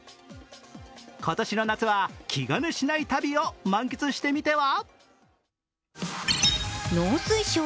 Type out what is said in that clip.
今年の夏は気兼ねしない旅を満喫してみては？